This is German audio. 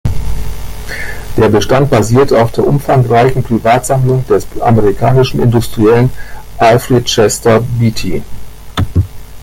Der Bestand basiert auf der umfangreichen Privatsammlung des amerikanischen Industriellen Alfred Chester Beatty.